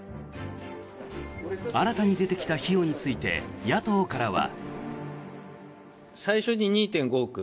新たに出てきた費用について野党からは。